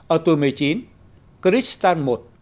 ở tuổi một mươi chín christian i